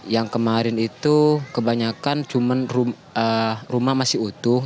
yang kemarin itu kebanyakan cuman rumah masih utuh